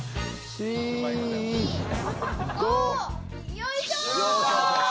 よいしょ！